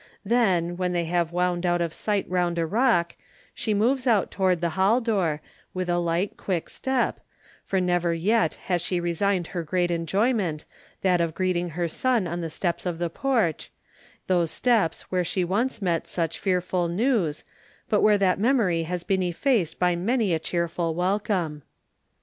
Then, when they have wound out of sight round a rock, she moves out towards the hall door, with a light, quick step, for never yet has she resigned her great enjoyment, that of greeting her son on the steps of the porch—those steps where she once met such fearful news, but where that memory has been effaced by many a cheerful welcome.